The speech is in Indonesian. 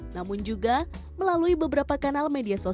namun juga melalui beberapa kanal mediaset